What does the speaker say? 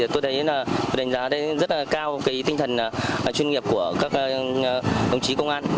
tôi đánh giá rất cao tinh thần chuyên nghiệp của các đồng chí công an